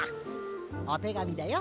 おてがみだよ。